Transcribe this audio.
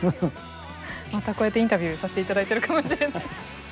また、こうやってインタビューさせていただいているかもしれない。